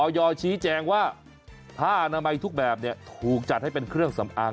ชี้แจงว่าผ้าอนามัยทุกแบบถูกจัดให้เป็นเครื่องสำอาง